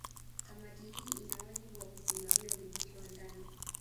Kamati hii ina wajibu wa kusimamia udhibiti wa ndani